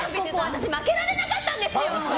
負けられなかったんですよ！